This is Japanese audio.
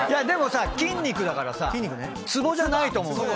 でもさ筋肉だからさつぼじゃないと思う。